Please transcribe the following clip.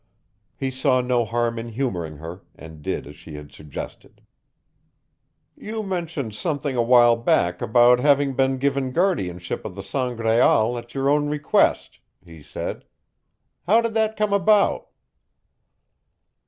He saw no harm in humoring her, and did as she had suggested. "You mentioned something a while back about having been given guardianship of the Sangraal at your own request," he said. "How did that come about?"